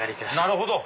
なるほど！